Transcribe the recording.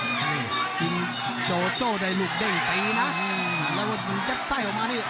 นี่กินโจโจได้ลูกเด้งตีนะอืมแล้วมียักษ์ไส้ออกมานี่